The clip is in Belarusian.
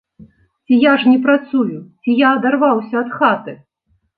Ці я ж не працую, ці я адарваўся ад хаты?